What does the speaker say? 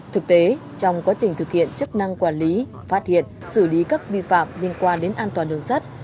thực tế trong quá trình thực hiện chức năng quản lý phát hiện xử lý các vi phạm liên quan đến an toàn đường sắt